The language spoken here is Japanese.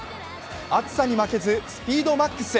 暑さに負けずスピードマックス。